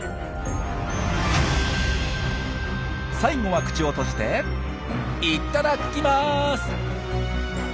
最後は口を閉じていただきます！